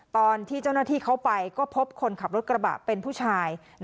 ตอนที่เจ้าหน้าที่เขาไปก็พบคนขับรถกระบะเป็นผู้ชาย